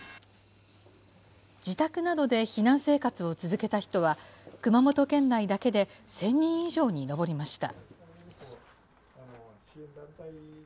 自宅などで避難生活を続けた人は、熊本県内だけで１０００人以上に上りました。